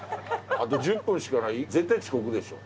あと１０分しかない絶対遅刻でしょ。